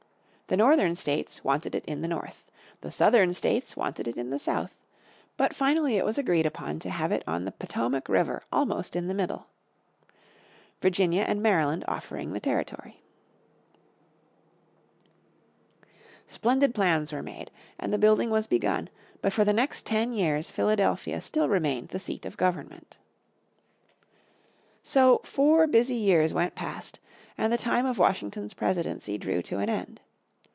The Northern States wanted it in the north, the Southern States wanted it in the south, but finally it was agreed upon to have it on the Potomac River almost in the middle, Virginia and Maryland offering the territory. Splendid plans were made, and the building was begun, but for the next ten years Philadelphia still remained the seat of government. So four busy years went past, and the time of Washington's presidency drew to an end.